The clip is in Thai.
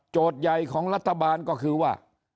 ใหญ่ของรัฐบาลก็คือว่า